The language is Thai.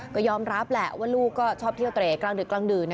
ก็ยอมรับแหละว่าลูกก็ชอบเที่ยวเตรกลางดึกกลางดื่น